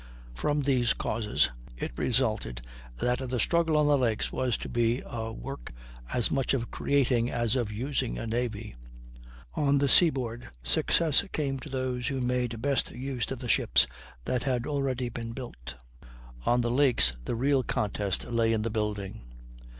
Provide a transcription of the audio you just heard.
From these causes it resulted that the struggle on the lakes was to be a work as much of creating as of using a navy. On the seaboard success came to those who made best use of the ships that had already been built; on the lakes the real contest lay in the building.